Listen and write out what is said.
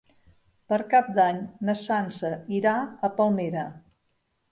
Per Cap d'Any na Sança irà a Palmera.